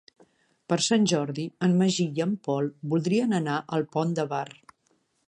Per Sant Jordi en Magí i en Pol voldrien anar al Pont de Bar.